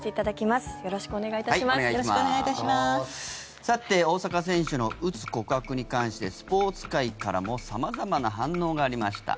さて、大坂選手のうつ告白に関してスポーツ界からも様々な反応がありました。